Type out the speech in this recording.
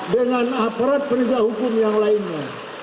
dengan aparat perintah hukum yang lainnya